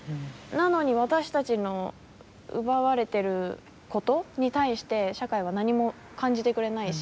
なのに、私たちの奪われてることに対して社会は何も感じてくれないし。